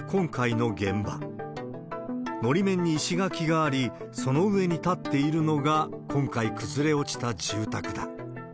のり面に石垣があり、その上に建っているのが今回崩れ落ちた住宅だ。